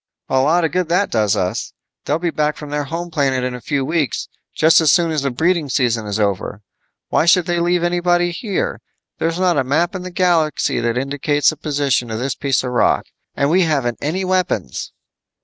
"A lot of good that does us. They'll be back from their home planet in a few weeks, just as soon as the breeding season is over. Why should they leave anybody here? There's not a map in the galaxy that indicates the position of this piece of rock. And we haven't any weapons."